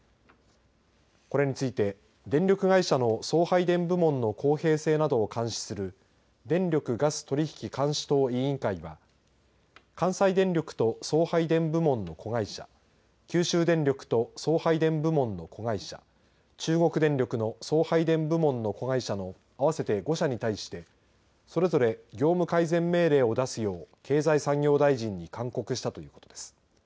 これについて電力会社の送配電部門の公平性などを監視する電力・ガス取引監視等委員会は関西電力と送配電部門の子会社九州電力と送配電部門の子会社中国電力の送配電部門の子会社の合わせて５社に対してそれぞれ業務改善命令を出すよう経済産業大臣に勧告したということです。